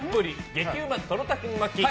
激ウマとろたく巻き。